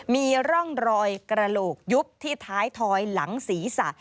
มีร่องรอยกระโหลกยุบที่ท้ายถอยหลังศีรษะ